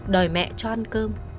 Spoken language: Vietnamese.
đòi mẹ cho ăn cơm